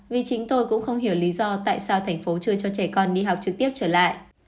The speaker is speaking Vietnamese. vì chính tôi cũng không hiểu lý do tại sao thành phố chưa cho trẻ con đi học trực tiếp trở lại